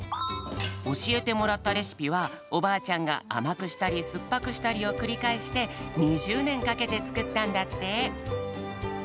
おしえてもらったレシピはおばあちゃんがあまくしたりすっぱくしたりをくりかえして２０ねんかけてつくったんだって。